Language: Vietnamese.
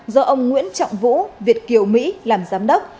do ông nguyễn trọng vũ việt kiều mỹ làm giám đốc